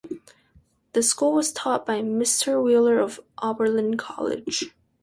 The school was taught by Mister Wheeler of Oberlin College.